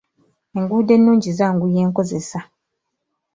Enguudo ennungi zanguya enkozesa.